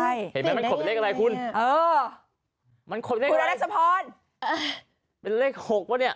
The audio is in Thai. ใช่เห็นไหมมันขดเลขอะไรคุณฉุนรัชพรเป็นเลขหกว่านี้